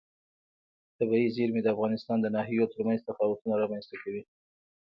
طبیعي زیرمې د افغانستان د ناحیو ترمنځ تفاوتونه رامنځ ته کوي.